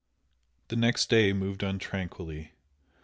The next day moved on tranquilly.